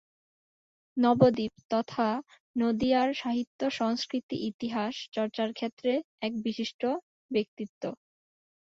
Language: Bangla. নবদ্বীপ তথা নদিয়ার সাহিত্য-সংস্কৃতি-ইতিহাস চর্চার ক্ষেত্রে এক বিশিষ্ট ব্যক্তিত্ব।